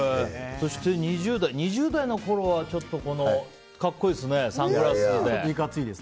そして、２０代のころは格好いいですね、サングラスで。